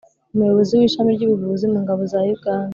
umuyobozi w'ishami ry'ubuvuzi mu ngabo za uganda,